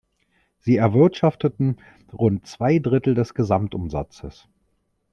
Sie erwirtschafteten rund zwei Drittel des Gesamtumsatzes.